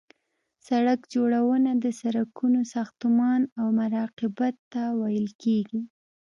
سرک جوړونه د سرکونو ساختمان او مراقبت ته ویل کیږي